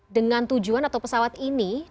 dengan tujuan atau pesawatnya